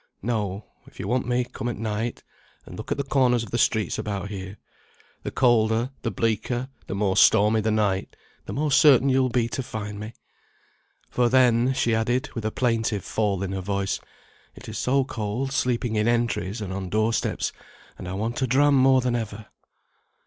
No, if you want me, come at night, and look at the corners of the streets about here. The colder, the bleaker, the more stormy the night, the more certain you will be to find me. For then," she added, with a plaintive fall in her voice, "it is so cold sleeping in entries, and on door steps, and I want a dram more than ever."